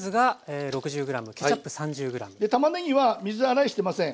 でたまねぎは水洗いしてません。